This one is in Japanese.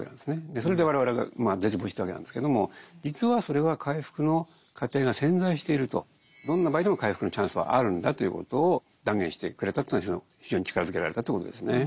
それで我々が絶望してたわけなんですけども実はそれは回復の過程が潜在しているとどんな場合でも回復のチャンスはあるんだということを断言してくれたというのは非常に力づけられたということですね。